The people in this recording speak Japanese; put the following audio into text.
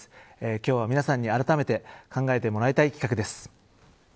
今日は皆さんに、あらためて考えてもらいたい企画です。